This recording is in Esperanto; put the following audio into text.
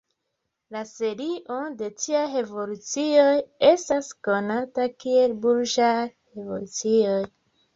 La serio de tiaj revolucioj estas konata kiel Burĝaj revolucioj.